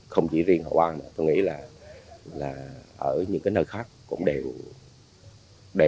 không chỉ riêng hội an mà tôi nghĩ là ở những nơi khác cũng đều phải hướng đến